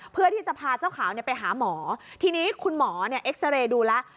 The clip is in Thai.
เพื่อที่จะพาเจ้าขาวเนี่ยไปหาหมอทีนี้คุณหมอเนี่ยเอ็กซาเรย์ดูแล้ว